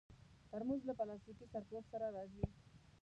ترموز له پلاستيکي سرپوښ سره راځي.